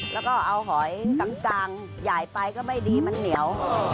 แล้วก็เอาหอยจางใหญ่ไปก็ไม่ดีมันเหนียว